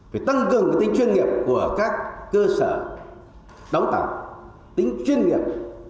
phải tăng cường tính chuyên nghiệp của các cơ sở đấu tạo tính chuyên nghiệp